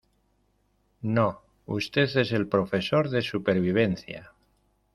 ¡ no! usted es el profesor de supervivencia.